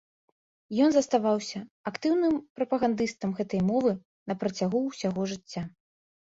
Ён заставаўся актыўным прапагандыстам гэтай мовы напрацягу ўсяго жыцця.